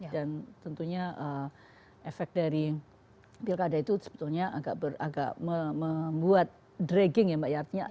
dan tentunya efek dari pilkada itu sebetulnya agak membuat dragging ya mbak yatnya